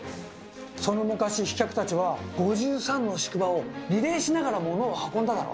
その昔飛脚たちは５３の宿場をリレーしながら物を運んだだろ？